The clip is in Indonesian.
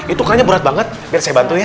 itu kakaknya berat banget biar saya bantu ya